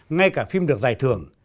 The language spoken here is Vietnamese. ngay cả phim được giải thưởng